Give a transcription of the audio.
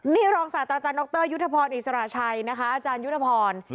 ที่รองศาสตร์อาจารย์น็อคเตอร์ยุทธพรอิสระชัยอาจารย์ยุทธพร